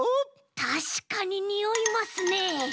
たしかににおいますね。